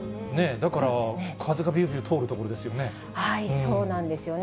だから風がびゅーびゅー通る所でそうなんですよね。